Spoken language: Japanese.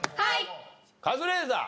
カズレーザー。